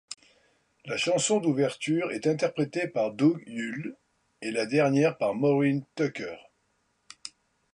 La chanson d'ouverture est interprétée par Doug Yule, et la dernière par Maureen Tucker.